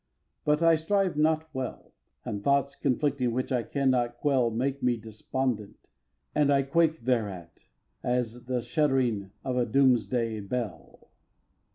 But I strive not well; And thoughts conflicting which I cannot quell Make me despondent; and I quake thereat, As at the shuddering of a doomsday bell.